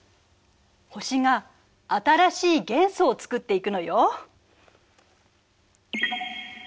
星が新しい元素を作っていくのよ。